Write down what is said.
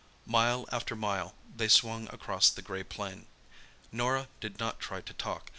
Mile after mile they swung across the grey plain. Norah did not try to talk.